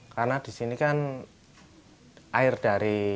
karena di sini kan air dari